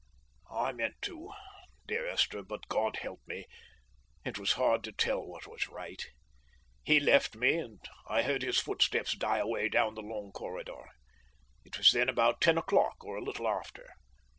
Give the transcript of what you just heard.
"I meant to, dear Esther, but, God help me, it was hard to tell what was right. He left me, and I heard his footsteps die away down the long corridor. It was then about ten o'clock, or a little after.